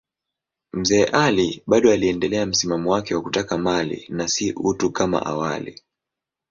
Mzee Ali bado aliendelea msimamo wake wa kutaka mali na si utu kama awali.